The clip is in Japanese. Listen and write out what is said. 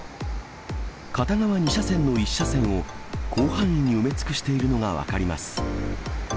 片側２車線の１車線を、広範囲に埋め尽くしているのが分かります。